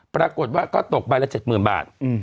ปรากฏว่าก็ตกใบละ๗๐๐บาท